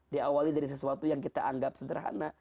diawali dari sesuatu yang kita anggap sederhana